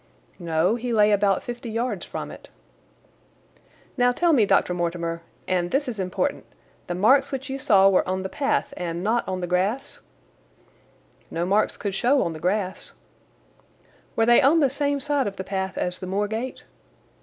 "No; he lay about fifty yards from it." "Now, tell me, Dr. Mortimer—and this is important—the marks which you saw were on the path and not on the grass?" "No marks could show on the grass." "Were they on the same side of the path as the moor gate?"